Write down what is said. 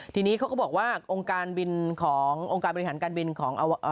ทีนี้เขาก็บอกว่าองค์การบริหารการบินของ